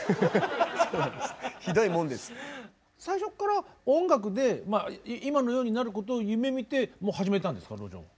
最初から音楽で今のようになることを夢みて始めたんですか？